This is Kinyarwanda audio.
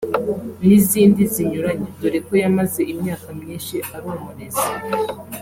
n’izindi zinyuranye dore ko yamaze imyaka myinshi ari umurezi